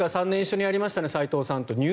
３年一緒にやりましたね斎藤さんと。